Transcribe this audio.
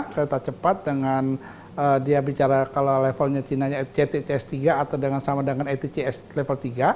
kereta cepat dengan dia bicara kalau levelnya cina ctcs tiga atau dengan sama dengan ctcs level tiga